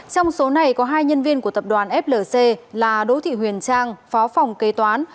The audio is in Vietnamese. trong số này có hai nhân viên của tập đoàn flc là đỗ thị huyền trang phó phòng kế toán